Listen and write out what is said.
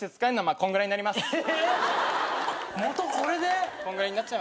こんぐらいになっちゃいますね。